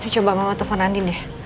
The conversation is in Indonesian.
coba mama telfon andin deh